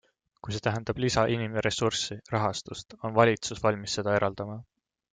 Kui see tähendab lisa inimressurssi, rahastust, on valitsus valmis seda eraldama.